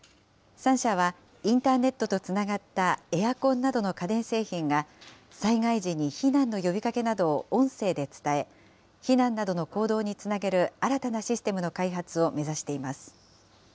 ３者は、インターネットとつながったエアコンなどの家電製品が、災害時に避難の呼びかけなどを音声で伝え、避難などの行動につなげる新たなシステムの開発を目指しています。